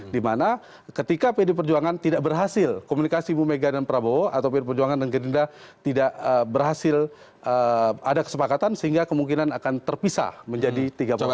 dimana ketika pdp perjuangan tidak berhasil komunikasi bumega dan prabowo atau pdp perjuangan dan gerinda tidak berhasil ada kesepakatan sehingga kemungkinan akan terpisah menjadi tiga poros